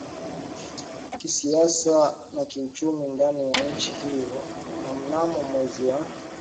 kisiasa na kiuchumi ndani ya nchi hiyo na Mnamo mwezi wa